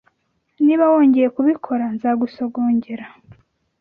Niba wongeye kubikora, nzagusogongera.